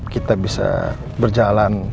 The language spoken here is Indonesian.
kita bisa berjalan